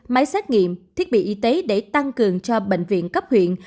máy xét nghiệm thiết bị y tế để tăng cường cho bệnh viện cấp huyện